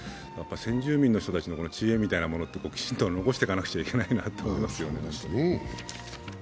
先住民の人たちの知恵ってきちんと残していかなきゃいけないなと思いますね。